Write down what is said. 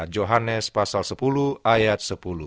johannes pasal sepuluh ayat sepuluh